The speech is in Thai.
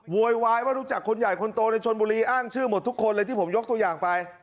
โวยวายว่ารู้จักคนใหญ่คนโตในชนบุรีอ้างชื่อหมดทุกคนเลยที่ผมยกตัวอย่างไป